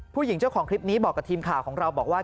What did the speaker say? ผู้หญิงเจ้าของคลิปนี้บอกกับทีมข่าวของเราบอกว่า